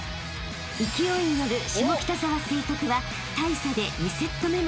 ［勢いに乗る下北沢成徳は大差で２セット目も連取］